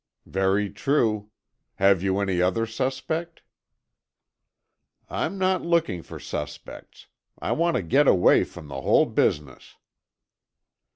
"Very true. Have you any other suspect?" "I'm not looking for suspects. I want to get away from the whole business."